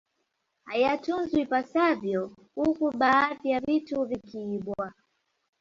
Hayatunzwi ipasavyo huku baadhi ya vitu vikiibwa